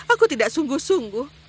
aku tidak sungguh sungguh